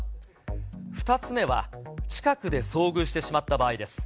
２つ目は、近くで遭遇してしまった場合です。